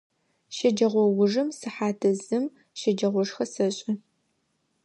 Щэджэгъоужым сыхьат зым щэджагъошхэ сэшӏы.